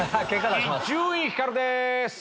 伊集院光です。